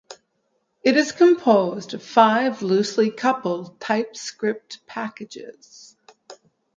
it is composed of five loosely-coupled TypeScript packages